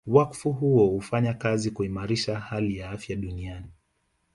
Wakfu huo hufanya kazi kuimarisha hali ya afya duniani